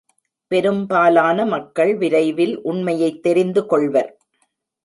பெரும்பாலான மக்கள் விரைவில் உண்மையைத் தெரிந்துகொள்வர்.